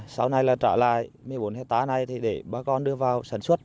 sau này là trả lại một mươi bốn hectare này để bà con đưa vào